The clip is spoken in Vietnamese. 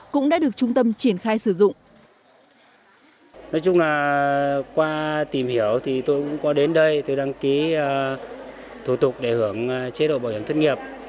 cũng đã được trung tâm triển khai sử dụng